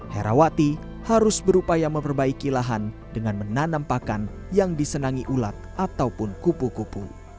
herawati harus berupaya memperbaiki lahan dengan menanam pakan yang disenangi ulat ataupun kupu kupu